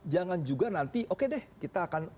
jangan juga nanti oke deh kita akan